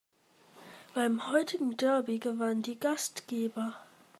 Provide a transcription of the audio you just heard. Beim heutigen Derby gewannen die Gastgeber.